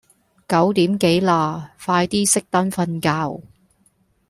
九點幾啦，快啲熄燈瞓覺